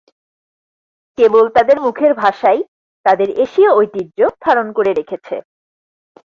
কেবল তাদের মুখের ভাষাই তাদের এশীয় ঐতিহ্য ধারণ করে রেখেছে।